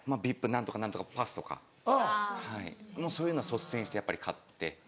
何とか何とかパスとかそういうのを率先してやっぱり買って。